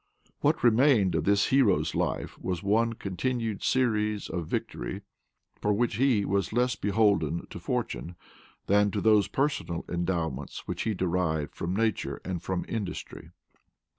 What remained of this hero's life was one continued series of victory, for which he was less beholden to fortune than to those personal endowments which he derived from nature and from industry.